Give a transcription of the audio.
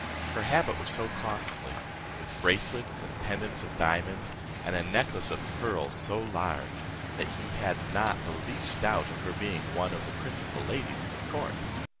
Her habit was so costly, with bracelets and pendants of diamonds, and a necklace of pearls, so large, that he made not the least doubt of her being one of the principal ladies of the court.